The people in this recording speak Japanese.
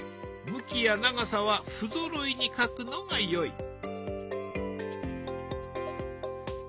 向きや長さは不ぞろいに描くのが良い。